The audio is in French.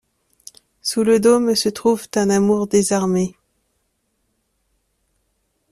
Sous le dôme se trouve un amour désarmé.